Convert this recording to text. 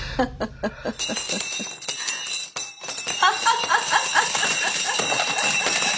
ハハハハハ！